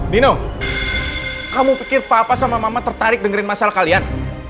dino kamu pikir papa sama mama tertarik dengerin masalah kalian